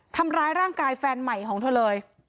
ทำร้ายร่างกายแฟนใหม่ของเธอเลย